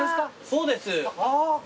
そうです。